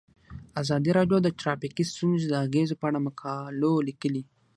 ازادي راډیو د ټرافیکي ستونزې د اغیزو په اړه مقالو لیکلي.